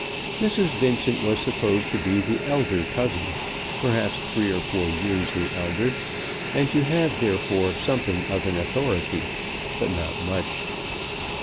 Mrs. Vincent was supposed to be the elder cousin, perhaps three or four years the elder, and to have therefore something of an authority, but not much.